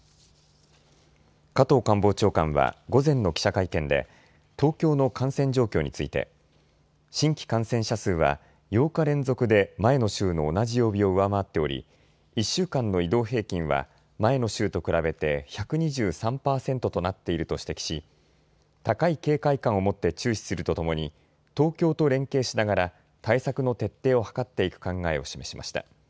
加藤官房長官は午前の記者会見で東京の感染状況について新規感染者数は８日連続で前の週の同じ曜日を上回っており１週間の移動平均は前の週と比べて１２３％となっていると指摘し高い警戒感を持って注視するとともに東京と連携しながら対策の徹底を図っていく考えを示しました。